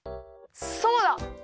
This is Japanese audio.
そうだ！